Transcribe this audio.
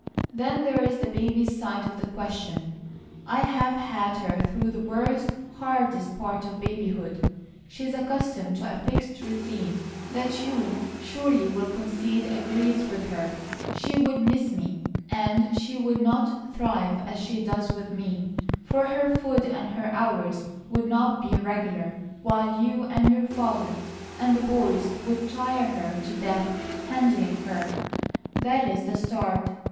Then there is the baby's side of the question. I have had her through the worst, hardest part of babyhood; she is accustomed to a fixed routine that you surely will concede agrees with her; she would miss me, and she would not thrive as she does with me, for her food and her hours would not be regular, while you, and your father, and the boys would tire her to death handling her. That is the start.